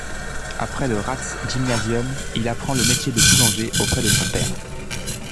Après le Ratsgymnasium, il apprend le métier de boulanger auprès de son père.